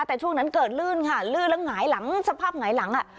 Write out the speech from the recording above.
แต่ช่วงนั้นเกิดลื่นค่ะลื่นแล้วหงายหลังสภาพหงายหลังอ่ะ